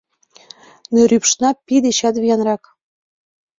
Нерӱпшна пий дечат виянрак.